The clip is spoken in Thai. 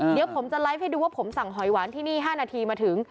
เดี๋ยวผมจะไลฟ์ให้ดูว่าผมสั่งหอยหวานที่นี่๕นาทีมาถึง